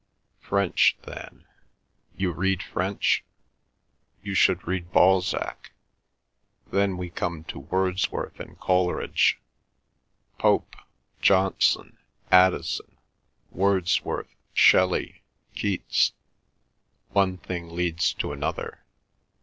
French, then. You read French? You should read Balzac. Then we come to Wordsworth and Coleridge, Pope, Johnson, Addison, Wordsworth, Shelley, Keats. One thing leads to another.